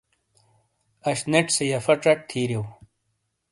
اش نیٹ سے یفاچٹ تھیریو۔